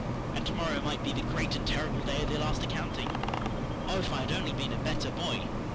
And to morrow might be the great and terrible day of the last accounting! Oh, if I had only been a better boy!